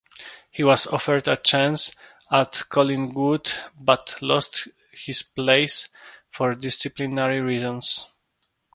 He was offered a chance at Collingwood but lost his place for disciplinary reasons.